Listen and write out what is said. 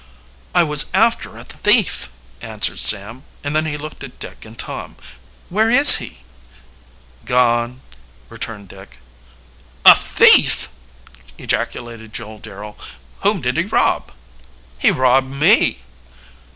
"I was after a thief," answered Sam, and then he looked at Dick and Tom. "Where is he?" "Gone," returned Dick. "A thief!" ejaculated Joel Darrel. "Whom did he rob?" "He robbed me."